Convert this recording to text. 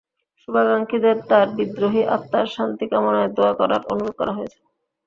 শুভাকাঙ্ক্ষীদের তাঁর বিদেহী আত্মার শান্তি কামনায় দোয়া করার অনুরোধ করা হয়েছে।